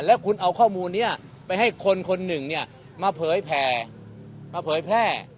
แล้วคุณเอาข้อมูลนี้ไปให้คนคนหนึ่งมาเผยแผ่มาเผยแพร่